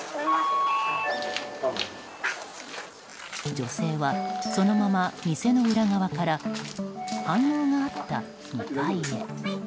女性は、そのまま店の裏側から反応があった２階へ。